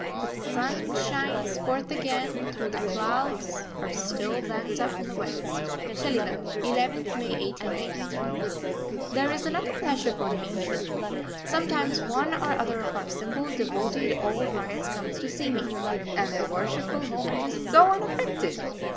But the sun shines forth again, though the clouds are still banked up in the West. SHELIDAH, 11th May 1893. There is another pleasure for me here. Sometimes one or other of our simple, devoted, old ryots comes to see me and their worshipful homage is so unaffected!